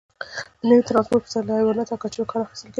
د نوي ټرانسپورت پرځای له حیواناتو او کچرو کار اخیستل کېده.